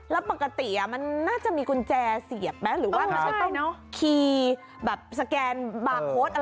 แล้วปกติมันน่าจะมีกุญแจเสียบไหมหรือว่ามันต้องคีย์แบบสแกนบาร์โพสต์อะไรก่อน